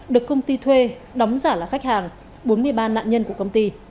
được công ty thuê đóng giả là khách hàng bốn mươi ba nạn nhân của công ty